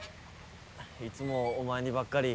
いつもお前にばっかり。